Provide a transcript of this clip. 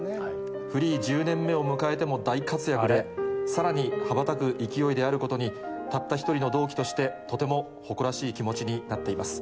フリー１０年目を迎えても大活躍で、さらにはばたく勢いであることに、たった一人の同期として、とても誇らしい気持ちになっています。